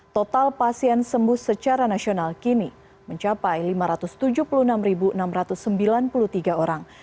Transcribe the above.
total pasien sembuh secara nasional kini mencapai lima ratus tujuh puluh enam enam ratus sembilan puluh tiga orang